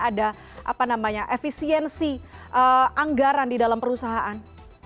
ada efisiensi anggaran di dalam perusahaan